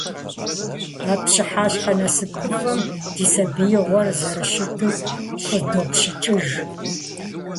А пщыхьэщхьэ насыпыфӀэм ди сабиигъуэр зэрыщыту щӀыдопщыкӀыж.